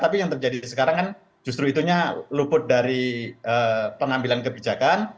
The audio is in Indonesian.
tapi yang terjadi sekarang kan justru itunya luput dari pengambilan kebijakan